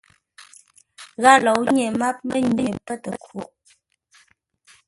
Gháp lǒu nyêr máp mənye pə́ tə khwôʼ.